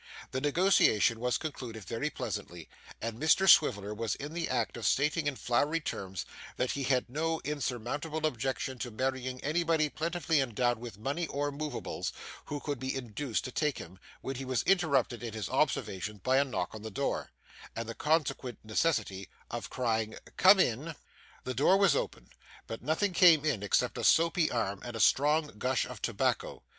The negotiation was concluded very pleasantly, and Mr Swiveller was in the act of stating in flowery terms that he had no insurmountable objection to marrying anybody plentifully endowed with money or moveables, who could be induced to take him, when he was interrupted in his observations by a knock at the door, and the consequent necessity of crying 'Come in.' The door was opened, but nothing came in except a soapy arm and a strong gush of tobacco.